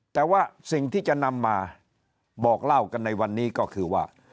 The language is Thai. แต่ว่าสิ่งที่จะนำมาบอกเล่ากันในวันนี้ก็คือว่า